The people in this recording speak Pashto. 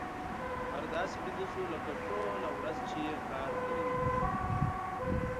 خر داسې ویده شو لکه ټولې ورځې يې کار کړی وي.